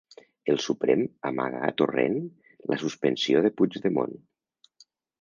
El Suprem amaga a Torrent la suspensió de Puigdemont